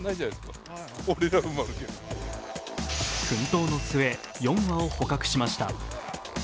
格闘の末、４羽を捕獲しました。